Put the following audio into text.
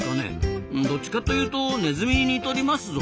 どっちかというとネズミに似とりますぞ。